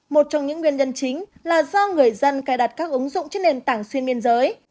một trong những nguyên nhân chính là do người dân cài đặt các ứng dụng trên nền tảng xuyên biên giới